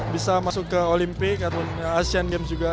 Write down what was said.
bisa masuk ke olimpik atau asean games juga